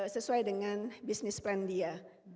sesuai dengan bisnis plan dia